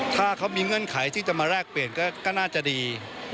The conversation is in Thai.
ถ้าเขามีเงื่อนไขที่จะมาแลกเปลี่ยนก็น่าจะดี